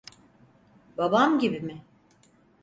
Babam gibi mi?